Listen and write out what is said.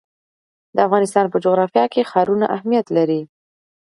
د افغانستان په جغرافیه کې ښارونه اهمیت لري.